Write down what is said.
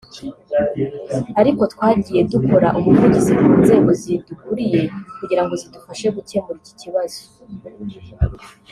ariko twagiye dukora ubuvugizi ku nzego zidukuriye kugirango zidufashe gukemura iki kibazo”